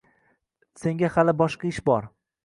Senga hali boshqa ish bor.